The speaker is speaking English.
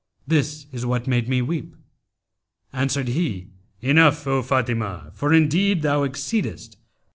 This is what made me weep.' Answered he, 'Enough, O Fatimah, for indeed thou exceedest.'